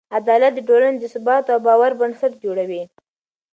عدالت د ټولنې د ثبات او باور بنسټ جوړوي.